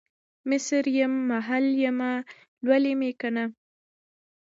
مصریم ، محل یمه ، لولی مې کنه